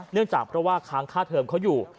เนื่องจากเพราะว่าค้างค่าเทิมเขาอยู่